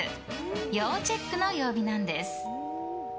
要チェックの曜日なんです。